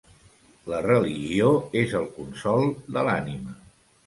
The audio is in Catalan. La religió és el consol de l'ànima.